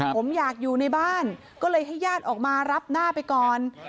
ผมอยากอยู่ในบ้านก็เลยให้ญาติออกมารับหน้าไปก่อน